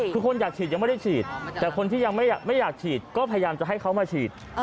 คือคนอยากฉีดยังไม่ได้ฉีดแต่คนที่ยังไม่อยากฉีดก็พยายามจะให้เขามาฉีด